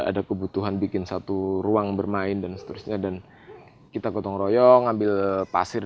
ada kebutuhan bikin satu ruang bermain dan seterusnya dan kita gotong royong ambil pasir